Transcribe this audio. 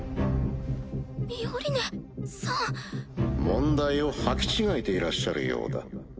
問題を履き違えていらっしゃるようだ。